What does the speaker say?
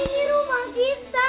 lepaskan anak pembawa sia